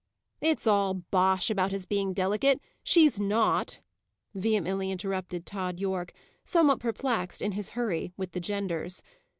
"It's all bosh about his being delicate. She's not," vehemently interrupted Tod Yorke, somewhat perplexed, in his hurry, with the genders.